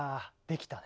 できた。